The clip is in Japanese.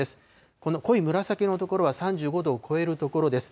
この濃い紫色の所は、３５度を超える所です。